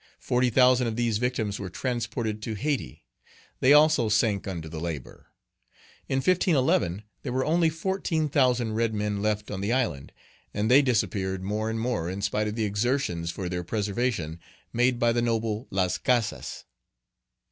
Forty thousand of these victims were transported to Hayti; they also sank under the labor. In 1511, there were only fourteen thousand red men left on the island; and they disappeared more and more in spite of the exertions for their preservation made by the noble Las Casas.